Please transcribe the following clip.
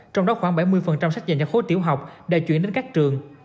trong đó khoảng bảy mươi sách dành cho khối tiểu học đã chuyển đến các trường